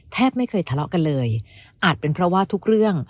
ไม่เคยทะเลาะกันเลยอาจเป็นเพราะว่าทุกเรื่อง